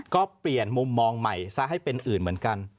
ก็เปลี่ยนมุมมองใหม่ซะให้เป็นอื่นเหมือนกัน